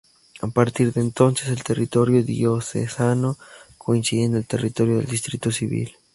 A partir de entonces, el territorio diocesano coincide con el territorio del distrito civil.